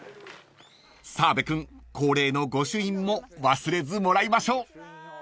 ［澤部君恒例の御朱印も忘れずもらいましょう］